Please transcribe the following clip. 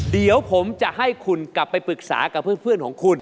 เดี๋ยวผมจะให้คุณกลับไปปรึกษากับเพื่อนของคุณ